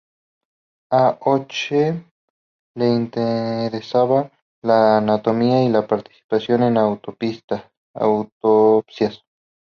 A Hoche le interesaba la anatomía y participó en autopsias.